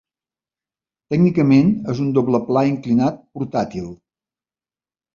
Tècnicament és un doble pla inclinat portàtil.